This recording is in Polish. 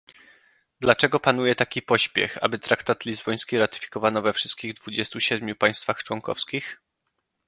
Dlaczego panuje taki pośpiech, aby traktat lizboński ratyfikowano we wszystkich dwudziestu siedmiu państwach członkowskich?